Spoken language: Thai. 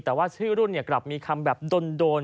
แต่ว่าชื่อรุ่นกลับมีคำแบบโดน